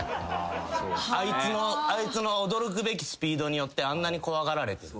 あいつの驚くべきスピードによってあんなに怖がられてる。